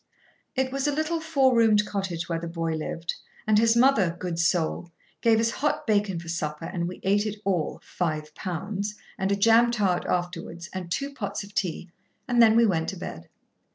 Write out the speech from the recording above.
It was a little four roomed cottage where the boy lived, and his mother—good soul!—gave us hot bacon for supper, and we ate it all—five pounds—and a jam tart afterwards, and two pots of tea, and then we went to bed.